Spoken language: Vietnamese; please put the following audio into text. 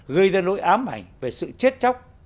gây ra nỗi ám ảnh về sự chết chóc